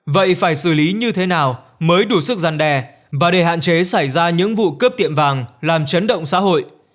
vậy phải xử lý như thế nào mới đủ sức gian đe và để hạn chế xảy ra những vụ cướp tiệm vàng làm chấn động xã hội